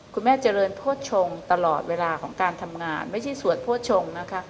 คุณแม่เจริญโภชงตลอดเวลาของการทำงานไม่ใช่สวดโภชงนะคะ